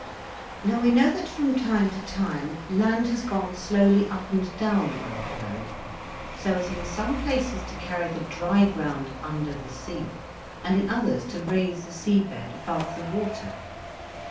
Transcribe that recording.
Now we know that from time to time land has gone slowly up and down on our globe so as in some places to carry the dry ground under the sea, and in others to raise the sea bed above the water.